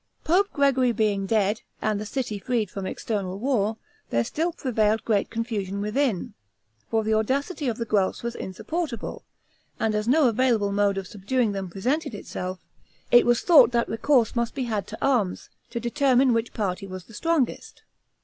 Pope Gregory being dead, and the city freed from external war; there still prevailed great confusion within; for the audacity of the Guelphs was insupportable, and as no available mode of subduing them presented itself, it was thought that recourse must be had to arms, to determine which party was the strongest.